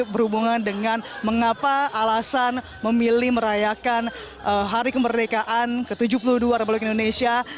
berhubungan dengan mengapa alasan memilih merayakan hari kemerdekaan ke tujuh puluh dua republik indonesia